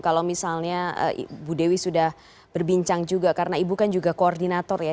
kalau misalnya ibu dewi sudah berbincang juga karena ibu kan juga koordinator ya